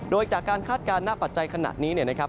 โดยถ้าการคาดการณ์น่าปัจจัยขนาดนี้นะครับ